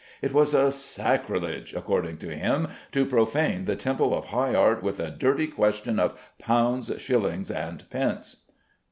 It was a sacrilege (according to him) to profane the temple of high art with a dirty question of pounds, shillings, and pence.